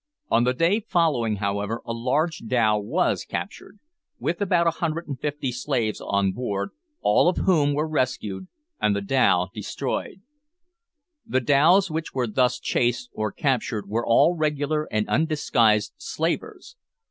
On the day following, however, a large dhow was captured, with about a hundred and fifty slaves on board, all of whom were rescued, and the dhow destroyed. The dhows which were thus chased or captured were all regular and undisguised slavers.